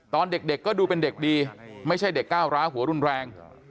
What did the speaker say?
ตอนเด็กก็ดูเป็นเด็กดีไม่ใช่เด็กก้าวร้าหัวรุนแรง